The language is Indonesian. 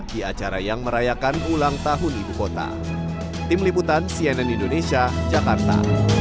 berita terkini mengenai cuaca ekstrem dua ribu dua puluh satu di jakarta